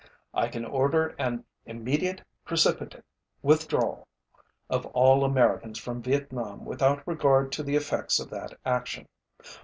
I can order an immediate precipitate withdrawal of all Americans from Vietnam without regard to the effects of that action.